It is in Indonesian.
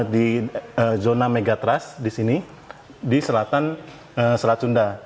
di zona megatrust di sini di selatan selat sunda